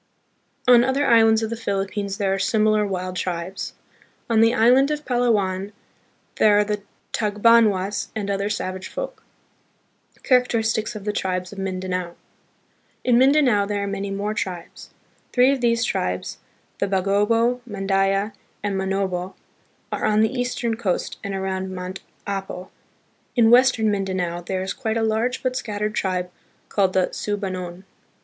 On other islands of the Philippines there are similar wild tribes. On the island of Palawan there are the Tag banwas and other savage folk. Characteristics of the Tribes of Mindanao. In Mindanao, there are many more tribes. Three of these tribes, the Bagobo, Mandaya, and Manobo, are on the east ern coast and around Mount Apo. In Western Mindanao, there is quite a large but scattered tribe called the Sub anon.